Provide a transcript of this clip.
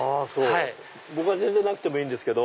僕は全然なくてもいいけど。